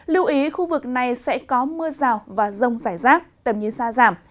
lưu ý khu vực này sẽ có mưa rào và rông rải rác tầm nhìn xa giảm